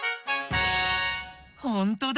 ほんとだ！